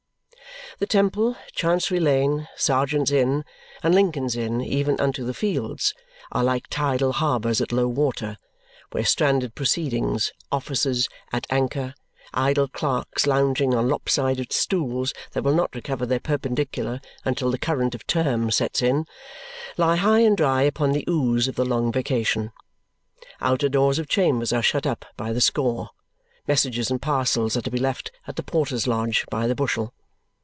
The Temple, Chancery Lane, Serjeants' Inn, and Lincoln's Inn even unto the Fields are like tidal harbours at low water, where stranded proceedings, offices at anchor, idle clerks lounging on lop sided stools that will not recover their perpendicular until the current of Term sets in, lie high and dry upon the ooze of the long vacation. Outer doors of chambers are shut up by the score, messages and parcels are to be left at the Porter's Lodge by the bushel.